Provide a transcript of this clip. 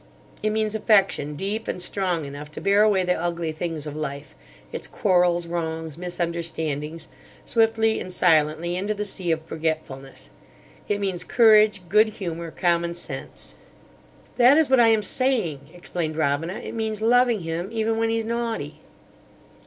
It means affection deep and strong enough to bear away the ugly things of life—its quarrels, wrongs, misunderstandings—swiftly and silently into the sea of forgetfulness. It means courage, good humour, commonsense." "That is what I am saying," explained Robina. "It means loving him even when he's naughty."